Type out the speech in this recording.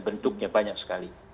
bentuknya banyak sekali